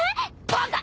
バカ！